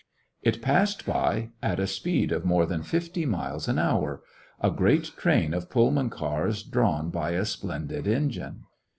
It passed by at a speed of more than fifty miles an hour— a great train of Pullman cars drawn by a splendid engine.